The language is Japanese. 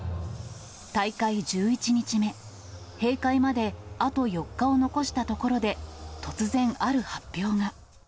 大会１１日目、閉会まであと４日を残したところで、突然、ある発表が。